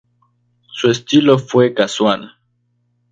Su estilo fue casual.